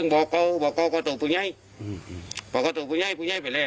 บอกฐูบุญยายบุญยายไปเลย